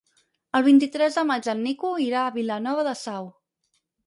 El vint-i-tres de maig en Nico irà a Vilanova de Sau.